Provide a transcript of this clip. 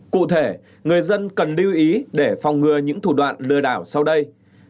cụ thể người dân cần lưu ý để phòng ngừa những thủ đoạn lừa đảo sau đây